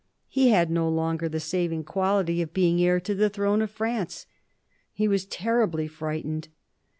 He had no longer the saving quality of being heir to the throne of France. He was terribly frightened.